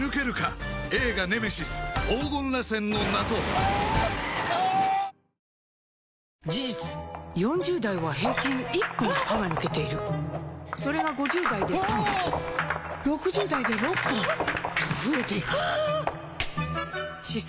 新「グリーンズフリー」事実４０代は平均１本歯が抜けているそれが５０代で３本６０代で６本と増えていく歯槽